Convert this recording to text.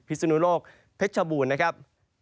พิสุนโลกเพชบูรณ์นะครับ